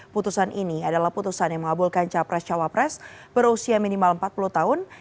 putusan ini adalah putusan yang mengabulkan capres cawapres berusia minimal empat puluh tahun